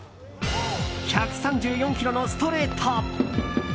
１３４キロのストレート。